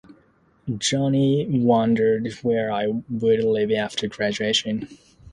Jenny wondered where I would live after graduation.